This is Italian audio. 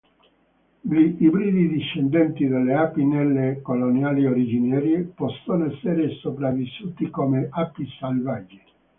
Gli ibridi discendenti delle api nere coloniali originarie possono essere sopravvissuti come api selvagge.